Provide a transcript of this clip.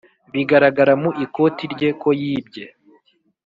bigaragara mu ikoti rye ko yibye